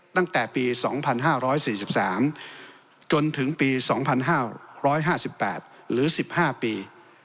ตั้งแต่ปี๒๕๔๓จนถึงปี๒๕๕๘หรือ๑๕ปี